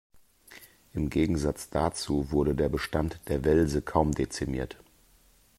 Im Gegensatz dazu wurde der Bestand der Welse kaum dezimiert.